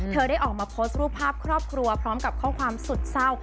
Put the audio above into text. ได้ออกมาโพสต์รูปภาพครอบครัวพร้อมกับข้อความสุดเศร้า